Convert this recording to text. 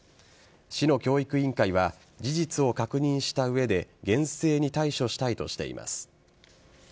市の教育委員会は事実を確認した上で厳正に対処したいとしています。